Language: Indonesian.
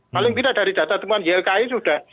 paling tidak dari data temuan ylki sudah